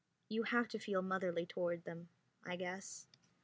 You have to feel motherly toward them, I guess.